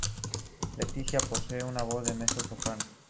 Letitia posee una voz mezzo-soprano.